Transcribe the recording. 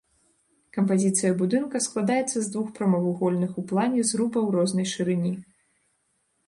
Кампазіцыя будынка складаецца з двух прамавугольных у плане зрубаў рознай шырыні.